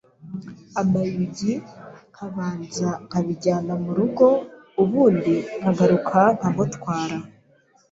amayugi, nkabanza nkabijyana mu rugo ubundi nkagaruka kumutwara